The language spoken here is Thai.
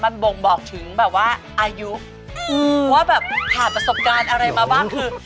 มันบ่งบอกถึงแบบว่าอายุว่าแบบผ่านประสบการณ์อะไรมาบ้างคือ